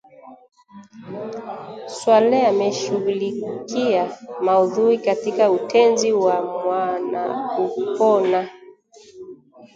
Swaleh ameshughulikia maudhui katika Utenzi wa Mwanakupona